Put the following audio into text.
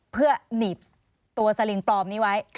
เพื่อหนีบตัวสลิงปลอมนี้ไว้